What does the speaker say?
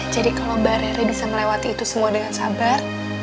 jadi kalau mbak rere bisa melewati itu semua dengan sabar